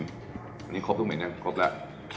อันนี้ครบทุกเมนูนะครบแล้ว